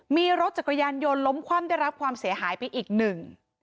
มีรถจักรยานยนต์ล้มคว่ำได้รับความเสียหายไปอีกหนึ่ง